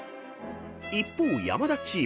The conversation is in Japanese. ［一方山田チーム。